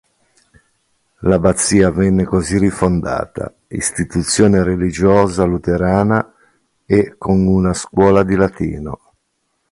L'abbazia venne così rifondata istituzione religiosa luterana e con una scuola di latino.